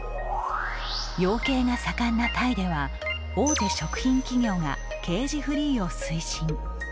養鶏が盛んなタイでは大手食品企業がケージフリーを推進。